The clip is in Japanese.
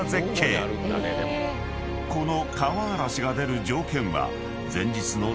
［この］